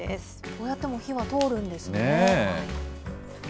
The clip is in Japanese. こうやっても火は通るんですね。